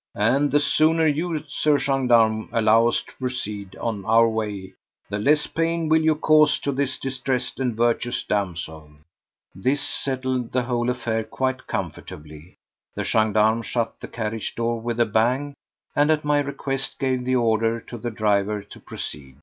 And the sooner you, Sir Gendarme, allow us to proceed on our way the less pain will you cause to this distressed and virtuous damsel." This settled the whole affair quite comfortably. The gendarme shut the carriage door with a bang, and at my request gave the order to the driver to proceed.